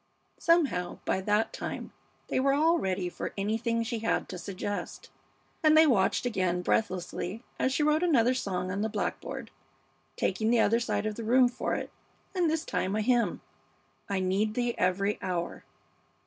Somehow by that time they were all ready for anything she had to suggest, and they watched again breathlessly as she wrote another song on the blackboard, taking the other side of the room for it, and this time a hymn "I Need Thee Every Hour."